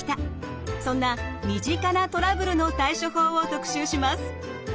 そんな身近なトラブルの対処法を特集します。